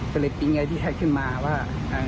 ก็เลยปิ๊งไอพี่แท็กขึ้นมาว่า